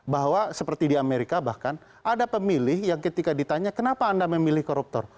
bahwa seperti di amerika bahkan ada pemilih yang ketika ditanya kenapa anda memilih koruptor